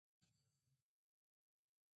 パン食べたい